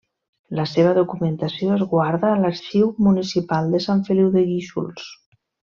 La seva documentació es guarda a l'arxiu municipal de Sant Feliu de Guíxols.